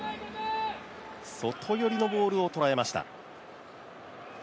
外寄りのボールを捉えました。